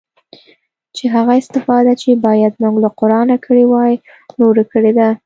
چې هغه استفاده چې بايد موږ له قرانه کړې واى نورو کړې ده.